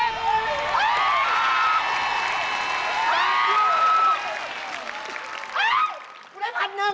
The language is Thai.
กูได้๑๐๐๐บาท